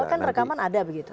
kan rekaman ada begitu